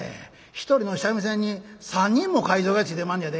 一人の三味線に３人も介添えがついてまんねやで」。